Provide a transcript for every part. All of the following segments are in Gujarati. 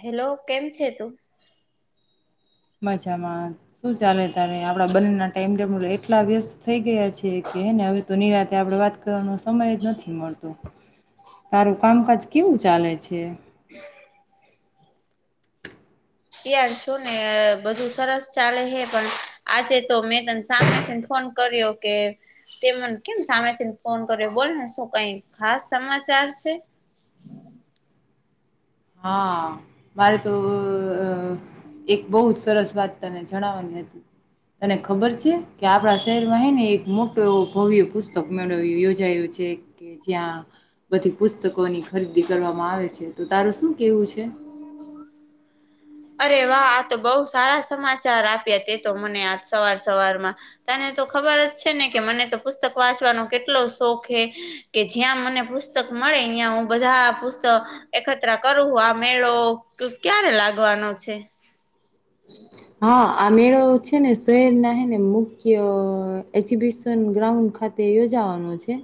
હેલો કેમ છે તું મજામાં શું ચાલે તારે આપડા બંને ના ટાઈમ એટલા વ્યસ્ત થઈ ગયા છે કે હે ને હવે તો નિરાતે આપણેે વાત કરવાનો સમય જ નથી મળતો. [inaudible] તારું કામકાજ કેવું ચાલે છે? [inaudible] યાર છું ને બધું સરસ ચાલે હે પણ આજે તો મે તને [unintelligible] ફોન ફોન કર્યો કે તે મને કેમ સામેથી ને ફોન કર્યો બોલે ને શું કઈ ખાસ સમાચાર છે [inaudible] હા મારે તો એક બો જ સરસ વાત તને જણાવવાની હતી. તને ખબર છે કે આપડા શહેરમાં હે ને એક મોટો એવો ભવ્ય પુસ્તક મેળો યોજાયો છે. કે જ્યાં બધી પુસ્તકોની ખરીદી કરવામાં આવે છે તો તારું શું કેવું છે? અરે વાહ આ તો બહુ સારા સમાચાર આપ્યા તે તો મને આ સવાર સવારમાં તને તો ખબર જ છે ને કે મને તો પુસ્તક વાંચવાનો કેટલો શોખ હે કે જ્યાં મને પુસ્તક મળે અહિયાં હું બધા પુસ્તક એકત્ર કરું આ મેળો ક્યારે લાગ વાનો છે? હા આ મેળો છે ને શહેર ના હેને મુખ્ય એક્ઝિબિશન ગ્રાઉન્ડ ખાતે યોજવાનો છે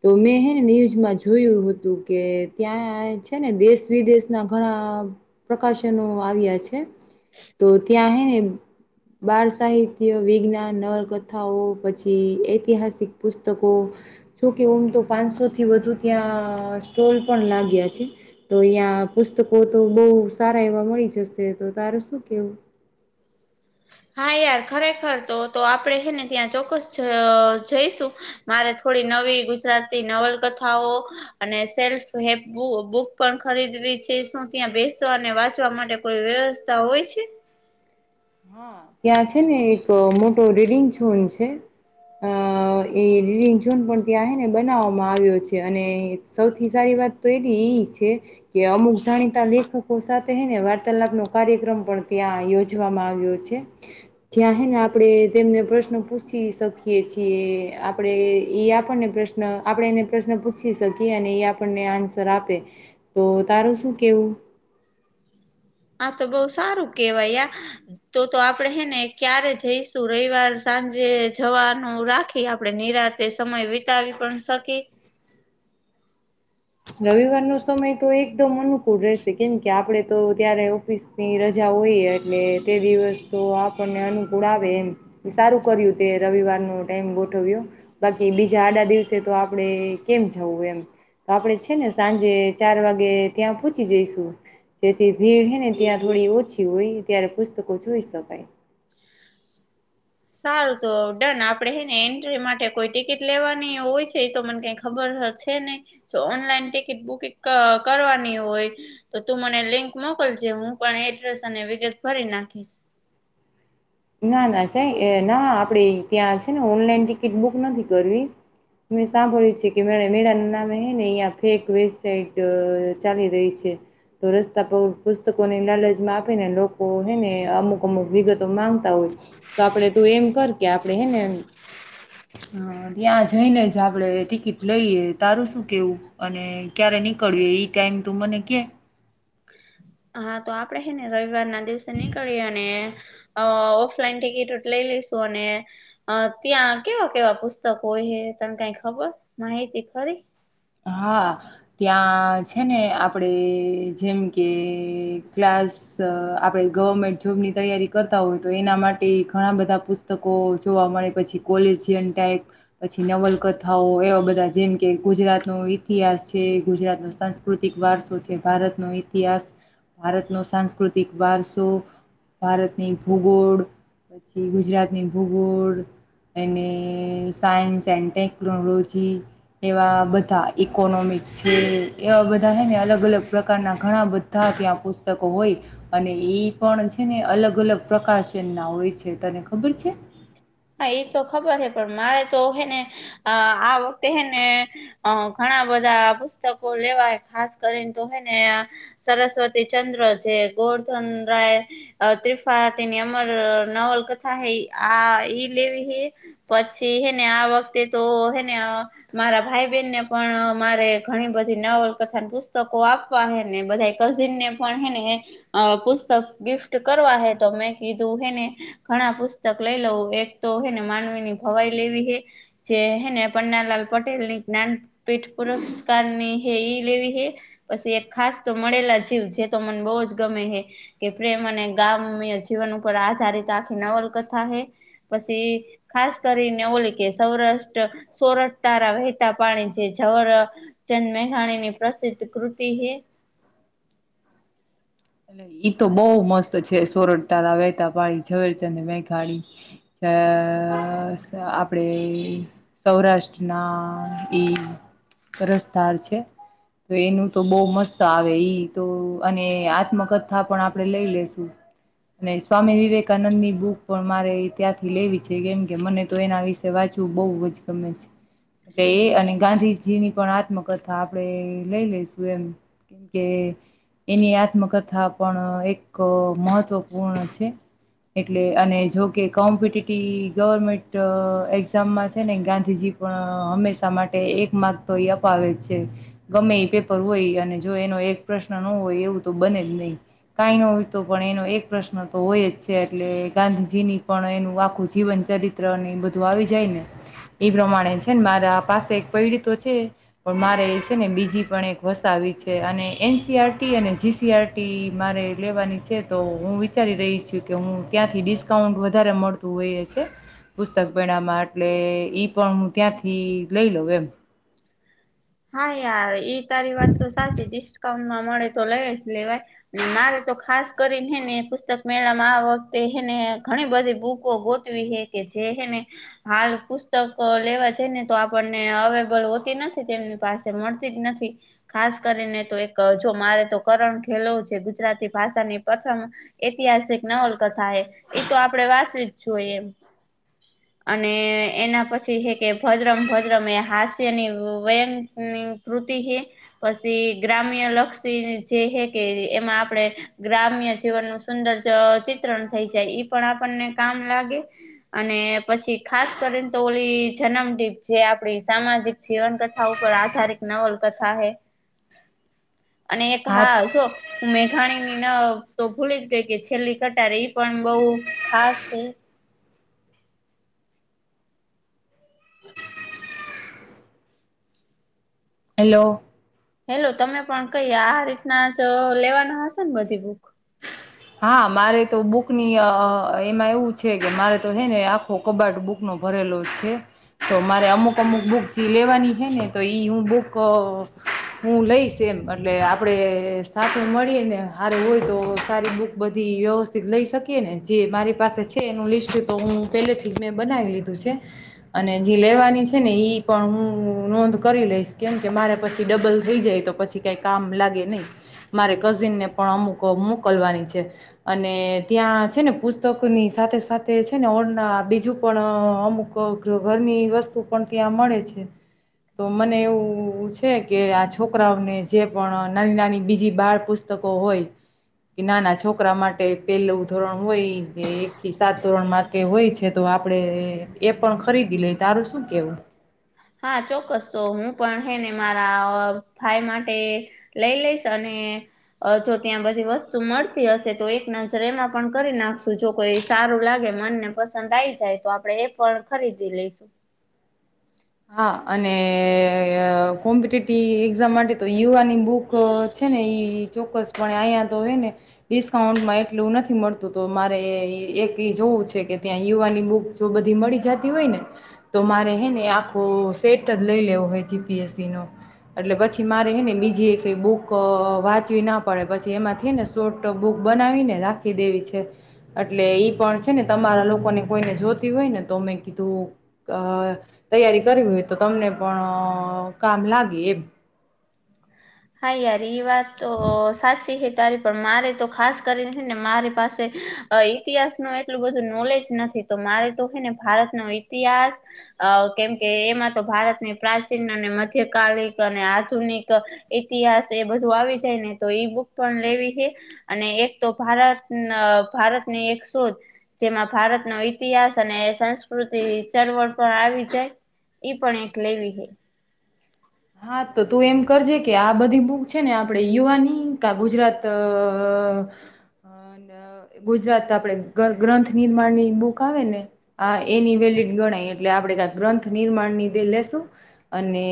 તો મેં હેને ન્યૂઝમાં જોયું હતું કે ત્યાં છે ને દેશ વિદેશ ના ઘણા પ્રકાશનો આવ્યા છે તો ત્યાં હેને બાળ સાહિત્ય વિજ્ઞાન નવલકથાઓ પછી ઐતિહાસિક પુસ્તકો જોકે ઓમ તો પાંચસો થી વધુ ત્યાં સ્ટોલ પણ લાગ્યા છે તો અયા આ પુસ્તકો તો બહુ સારા એવા મળી જશે તો તારું શું કેવું? [unintelligible] હા યાર ખરેખર તો તો આપડે છેે ને ત્યાં ચોક્કસ જઈશું મારે થોડી નવી ગુજરાતી નવલકથાઓ અને સેલ્ફ હેલ્પ બુક પણ ખરીદવી છે, શું ત્યાં બેસવા અને વાંચવા માટે કોઈ વ્યવસ્થા હોય છે? હા, ત્યાં છે ને એક મોટો રીડિંગ ઝોન છે. અ એંગ ઝોન પણ ત્યાં હ ને બનાવવામાં આવ્યો છે, અને સૌથી સારી વા તો એ એ છે કે અમુક જાણીતા લેખકો સાથેને વાર્તાલાપ નો કાર્યક્રમ પ પણ ત્યાં યોજવામાં આવે. ત્યાં હને આપણે તેમને પ્રશ્ન પૂછી શકીએ છીએ, આપણે એ આપણને પ્રશ્ન આપણે એને પ્રશ્ન પૂછી શકીએ અને એ આપણને આન્સર આપે તો તારું શું કેવું? હા તો બહુ સારું કેવાય તો તો આપડે હેને ક્યારે જઈશું રવિવાર સાંજે જવાનું રાખી આપડે નિરાશ તે સમય વિતાવી પણ શકી રવિવાર ન સમય તો એકદમ અનુકૂળ રહેશે, કેમ કે આપડે તો ત્યારે ઓફિસની રજા હો એટલે તે દિવસ તો આપણને અનુકૂળ આવે એમ સારું કર્યું તે રવિવારનું ટમ ગોઠવ્યો બાકી બીજા આડા દિવસે તો આપડે કેમ જવું એમ તો આપડે છે, ને સાંજે ચાર વાગે ત્યાં પહોંચી જઈશું જેથી ભીડ હ ને ત્યાં થોડી ઓછી હોય, ત્યારે પુસ્તકો જો હોઈશ ત ભાઈ. [unintelligible] સારું તો ડન આપડે હેને એન્ટ્રી માટે કોઈ ટિકિટ લેવાની હોય છે, એ તો મને કઈ ખબર છે ન જો ઓનલાઈન ટિકિટ બુકિંગ કરવાની હોય તો, તું મને લિંક મોક મોકલ છે હું પણ એડ્રેસ અને વિગત ભરી નાખીશ. ના ના સાહે ના આપે ત્યાં છે ને ઓનલાઈન ટિકિટ બુક નથી કરવી. મિશા બોલી છે, કે મે મેળા નામે હ ને અહંયા ફેક વેબસાઇટ ચાલી રહી છે. તો રસ્તા પર પુસ્તકોની લાલચમાં આપીને લોકો હે ને અમુક અમુક વિગતો માંગતા હોય તો, આપડે તું એમ કર કે આપડે હેને એમ હ ત્યાં જઈને જ આપડે ટિકિટ લઈએ તારું શું કેવું? અને ક્યારે નીકળ્યું એ ટાઈમ તું મને કે? હા, તો આપડે હે ને રવિવાર ના દિવસે નીકળીએ અને ઓફલાઈન ટિકિટ લઈ. અને ત્યાં કેવા કેવા પુસ્તકો હોય હ તને કઈ ખબર માહિતી? ખરી હા, ત્યાં છે ને આપણે જેમ કે ક્લાસ આપડે ગવર્મેન્ટ જોબ ની તૈયારી કરતા હોય તો, એના માટે ઘણા બધા પુસ્તકો જો મળે પછી કોલેજયન ટાઈપ પછી નવલકથાઓ એવા બધા જેમ કે ગુજરાતી નો ઇતિહાસ છે, ગુજરાત નો સાંસ્કૃતિક વારસો છે ભારતનોો ઇતિહાસ ભારત નો સાંસ્કૃતિક વારસો ભારતની ભૂગોળ પછી ગુજરાતની ભૂગોળ અને સાયન્સ એન્ડ ટેકનોલોજી એવા બધા ઈકોનોમિક્સ છે, એવા બધા હ ને અલગ અલગ પ્રકારના ઘણા બધા ત્યાં પુસ્તકો હોય અને એ પણ છે ને અલગ અલગ પ્રકાશન ના હોય છે, તને ખબર છે? હા એ તો ખબર છે પણ મારે તો હેને આ વખતે હેને ઘણા, ઘ બધા પુસ્તકો લેવાય ખાસ કરીને, તો હોય ને સરસ્વતી ચંદ્ર જે ગોર્ધન રાય ત્રિપાટીની અમર નવલકથા હ આ લે પછી હેને આ વખતે તો હેને મારા ભાઈ બહેન ને પણ અરે ઘણી બધી નવલ કથા પુસ્તકો આપવા હેને બધા કઝિન ને પણ હેને અ પુસ્તક ગિફ્ટ કરવા હે તો મેં કીધું હેને ઘણા પુસ્તક લઈ લઉ એક તો હને માનવીની ભવાઈ લેવી હે જે હેને પન્નાલાલ પટેલ ની જ્ઞાનપીઠ પુરસ્કારની [unintelligible] લેવી હે, પછી એક ખાસ તો મળેલા જીવ, જે તો મને બહુ જ ગમે મે હે. કે પ્રેમ અને ગામ્ય જીવન ઉપર આધારિત આખી નવલકથા હે. પસી ખાસ કરીને ઓલી કે સૌરાષ્ટ્ર સોરઠ તારા વહેતા પાણી જે જ ઓર ચંદ મેઘાણીની પ્રસિદ્ધ કૃતિ હે. ઈ તો બહું મસ્ત છે સોરઠ તારા વહેતા પાણી ઝવેરચંદ મેઘાણી. અહ સ આપણેે સૌરાષ્ટ્રના ઈ રસ્તા છે. તો એનું તો બહુ મસ્ત આવે ઈ તો અને આત્મકથ કથા પણ આપણે લઈ લેશું. અને સ્વામી વિવેકાનંદ ની બુક પણ મારે ઈ ત્યાંથી લેવી છે કેમ કે મને તો એના વિશે વાચ ચું બહુ જ ગમે છે. એટલે એ અને ગાંધીજીની પણ આત્મકથા આપણે લઈ લઈશું એમ, કેમ કે એની આત્મકથા પણ એક મહત્વપૂર્ણ છે. એટલે અને જોકે કોમ્પિટિટિ ગવર્મેન્ટ એક્ઝામમાં છે ને ગાંધીજી પણ હંમેશા માટે એક માર્ક તો ઈ અપાવે જ છે. ગમે ઈ પેપર હોય અને જો એન નો એક પ્રશ્ન ન હોય એવું તો બને જ નહીં. કાઈ નો હોય તો પણ એનો એક પ્રશ્ન તો હોય જ છે, એટલે ગાંધીજીની પણ એનું આખું જીવ ન ચરિત્ર ને બધું આવી જાય ને ઈ પ્રમાણે છે ને મારા પાસે એક પયડી તો છે પણ મારે ઈ છે ને બીજી પણ એક વસાવી છે, અને એન સી આર ટી અને જી સી આર ટી મારે ઈ લેવાની છે તો હું વિચારી રહી છું કે હું ક્યાંથી ડિસ્કાઉન્ટ વધારે મળતું હોઈ [unintelligible] પુસ્તક પરણામાં એટલે ઈ પણ હું ત્યાંથી લઈ લઉં એમ. હા યાર ઈ તારી વાત તો સાચી. ડિસ્કાઉન્ટમાં મળે તો લઈ જ લેવાય, ને મારે તો ખાસ કરીન હે ને પુસ્તક મેળા માં આ વખતે હે ને ત્યાં ઘણી બધી બુકો ગોતવી હે કે જેને હાલ પુસ્તકો લેવા જઈ ને તો આપણને અવેલેબલ હોતી નથી તેમ પાસે મળતી જ નથી. ખાસ કરીને તો એક જો મારે તો કરણ ખેલો જે ગુજરાતી ભા ષાની પ્રથમ ઐતિહાસિક નવલકથા હે. ઈ તો આપણે વાંચવી જ જોઈએ એમ. [inaudible] અને એના પછી હે કે ભદ્રમ ભદ્રમ એ હાસ્યની વ્યન અહ કૃતિ હે પછી ગ્રામ્ય લક્ષી જે હે કે એમાં આપણેે ગ્રામ્ય જીવનનું સુંદર ચ ચિત્રણ થઈ જાય ઈ પણ આપણને કામ લાગે. અને પછી ખાસ કરીને તો ઓલી જનમડીપ જે આપડી સામાજિક જીવનકથા ઉ પર આધારિત નવલકથા હે અને એક હા જો હું મે જાણીની ના તો ભૂલી જ ગઈ કે છેલ્લી કટાર ઈ પણ બહું ખાસ હે. હેલો. હેલો. તમે પણ કહી આ રીતના જ લેવાનું હશે ને બધી બુક? હા મારે તો બુક ની અહ એમાં એવું છે કે મારે તો હે ને આખો કબાડ બુક નો ભરેલો છે. તો મારે અમુક-અમુક બુક જી લેવાની છે ને તો ઈ હું બુક હું લઈશ એમ એટલે આપડે સાચું મળી ને હારું હોય તો સારી બૂક બધી વ્યવસ્થિત લઈ શકીએ ને જે મારી પાસે છે, એનું લિસ્ટ તો હું પેલેથી જ મેં બનાવી લીધું. છે અને જી લેવાની છે ને ઈ પણ હું નોંધ કરી લઈશ કેમ કે મારે પછી ડબલ થઈ જાય તો પછી કઈ કામ લાગે નહી. મારે કઝિનને પણ અમુક મોકલવાની છ છે અને ત્યાં છે ને પુસ્તકની સાથે-સાથે છે ને [unintelligible] બીજું પણ અમુક ઘરની વસ્તુ પણ ત્યાં મળે છે. તો મને એવું છે કે આ છોકરાઓને જે પણ નાની-નાની બીજી બાળ પુસ્ત કો હોય કે ઈ નાના જ છોકરા માટે પહેલું ધોરણ હોય કે એક થી સાત ધોરણ માટે હોય છે તો આપણે એ પણ ખરીદી લઈ. તારું શું કેવું? હા ચોક્કસ તો હું પણ હે ને મારા ભાઈ માટે લઈ લઈશ અન ને અહ જો ત્યાં બધી વસ્તુ મળતી હશે તો એક નજર એમાં પણ કરી નાખશું. જો કોઈ સા સારું લાગે મનને પસંદ આઈ જાય તો આપડે એ પણ ખરીદી લઈશું હા અને કોમ્પિટેટિવ એક્ઝામ માટે તો યુવાની બુક છે ને ચોક્કસપ અહીંયા તો હો ને ડિસ્કાઉન્ટમાં એટલું નથી મળતું તો મારે એક એ જોવું છે કે ત્યાં યુવાની બુક જો બધી મળી જતી હોય ને તો મારે હે ને આું સેટ જ લઈ લેવો હોય જીપીએસસી નો એટલે પછી મારે હેને બીજીઈ બુક વાંચવી ના પડે પછી એમાંથી ને શોટ બુક બનાવીને રાખી દેવી છે એટલે એ પણ છે ને તમારા લોકોને કોઈને જોતી હોય ને તો મેમે કીધું તૈયારી કરવી હોય તો તમને પણ કામ લાગે એમ હાઈ્યારી વાત સાચીે ત પણ મારે તો ખાસ કરીને ને મારી પાસે ઇતિહાસ નું એટલું બધું નોલેજ નથી મારે તો છેે ને ભારત ન ઈતિહાસ કેમ કે એમાં તો ભારતની પ્રાચીન મધ્યકાલિક અને આધુનિક ઇતિહાસ એ બધું આવી જાય ને તો ઈ બુક પણ લેવી છે અને એક તો ભારત ભારતની એક શોધ જેમાં ભારતનો ઇતિહાસ અને સંસ્કૃતિ ચળવળ પણ આવી જાય ઈ પણ એક લેવી હૈ. હા તો તું એમ કરજે કે આ બધી બુક છે ને આપણે યુવાની કા ગુજરાત [inaudible] [inaudible] અને ગુજરાત આપડે ગ્રંથ નિર્માણની બુક આવે ને આ એની વેલીિડ ગણાય એટલે આપડણે ગ્રંથ નિર્માણ નિધે લેશું અને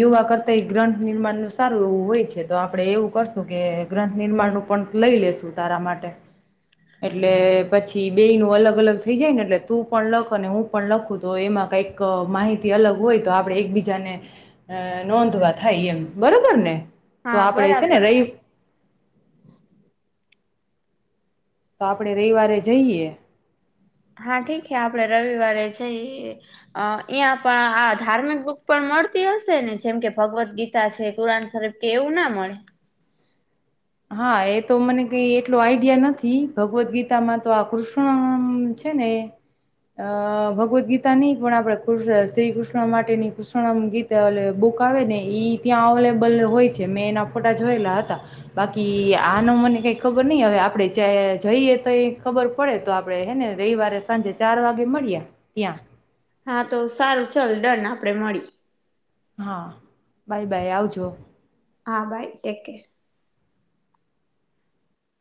યુવા કરતા એ ગ્રંથ નિર્માણ નું સારું એવું હોય છે તો આપડે એવું કરશું કે ગ્રંથ નિર્માણ ું પણ લઈ લેશુ તારા માટે. એટલે પછી બે ન અલગ અલગ થઈ જાય ને એટલે તું પણ લખ અને હું પણ લખું તો એમાં કંઈક માહિતી અલગ હોય તો આપણે એકબીજાને અ નોંધવા થાય એમ બરોબર ને તો હા આપણેે છે ને બરાબર રહી તો આપણે રવિવારે જઈએ. હા ઠીક છે આપડે રવિવારે જઈ અહીં પણ આ ધાર્મિક બુક પણ મળતી હશે ને જેમ કે ભગવદ્ ગીતા છે કુરાન શરીફ કે એવું ના મળે હા એ તો મને કઈ એટલો આઈડિયા નથી ભગવદ્ ગીતામાં તો આ કૃષ્ણ છે [inaudible] અ ભગવદ્ ગીતા નહી પણ આપડે કૃષ્ણ શ્રી કૃષ્ણ માટેની કૃષ્ણ ગીતા એલે બ ક આવે ને ઈ ત્યાં અવેલેબલ હોય છે મેં એના ફોટા જોયેલા હતા. બાકી આનું મને કઈ ખબર નહી હવે આપણે જ જઈએ તો એ ખબર પડે તો આપડે હેને રવિવારે સાંજે ચાર વાગે મળ્યા ત્યાં હા તો સારું ચાલ દંડ આપડે મળી હા બાય બાય આવજો. હા બાય ટેક કે.